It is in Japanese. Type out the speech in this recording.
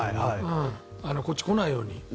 こっちに来ないように。